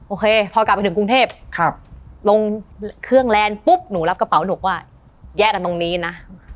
โอเคพอกลับไปถึงกรุงเทพลงเครื่องแลนด์ปุ๊บหนูรับกระเป๋าหนูว่าแยกกันตรงนี้นะ